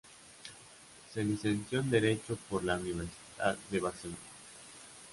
Se licenció en Derecho por la Universitat de Barcelona.